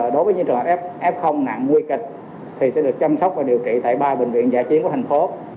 đối với những trường hợp f nặng nguy kịch thì sẽ được chăm sóc và điều trị tại ba bệnh viện giả chiến của thành phố